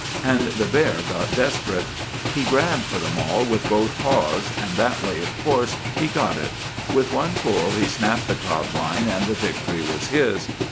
And the bear got desperate. He grabbed for the mall with both paws; and that way, of course, he got it. With one pull he snapped the codline, and the victory was his.